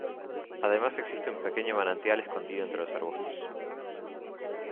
Además existe un pequeño manantial escondido entre arbustos.